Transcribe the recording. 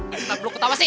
kita belum ketawa sih